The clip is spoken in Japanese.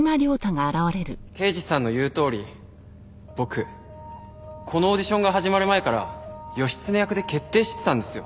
刑事さんの言うとおり僕このオーディションが始まる前から義経役で決定してたんですよ。